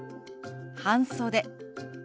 「半袖」。